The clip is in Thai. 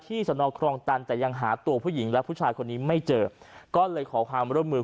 สนครองตันแต่ยังหาตัวผู้หญิงและผู้ชายคนนี้ไม่เจอก็เลยขอความร่วมมือ